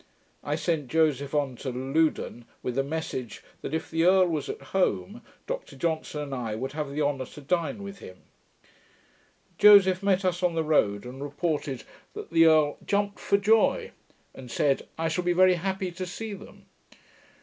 I sent Joseph on to Loudoun, with a message, that, if the earl was at home, Dr Johnson and I would have the honour to dine with him. Joseph met us on the road, and reported that the earl 'jumped for joy', and said, 'I shall be very happy to see them.'